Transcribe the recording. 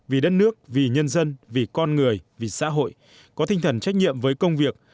vì đất nước vì nhân dân vì con người vì xã hội có tinh thần trách nhiệm với công việc